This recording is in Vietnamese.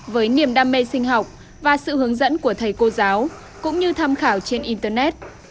với niềm đam mê sinh học và sự hướng dẫn của thầy cô giáo cũng như tham khảo trên internet